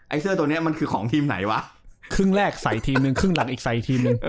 เสื้อตัวนี้มันคือของทีมไหนวะครึ่งแรกใส่ทีมหนึ่งครึ่งหลังอีกใส่อีกทีมหนึ่ง